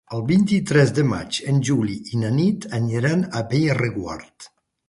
El vint-i-tres de maig en Juli i na Nit aniran a Bellreguard.